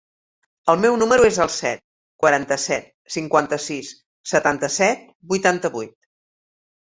El meu número es el set, quaranta-set, cinquanta-sis, setanta-set, vuitanta-vuit.